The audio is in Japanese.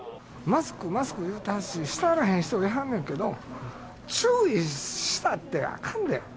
マスクマスク言うても、してはらへん人もいはんねんけど、注意したってあかんで。